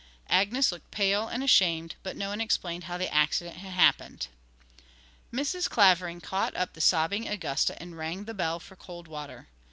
Agnes looked pale and ashamed, but no one explained how the accident had happened. Mrs. Clavering caught up the sobbing Augusta and rang the bell for cold water.